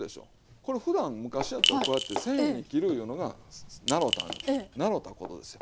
これふだん昔やったらこうやって繊維に切るいうのが習うたことですよ。